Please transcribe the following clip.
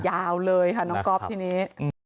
ยาวเลยค่ะน้องก๊อฟทีนี้